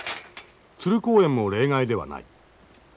鶴公園も例外ではない。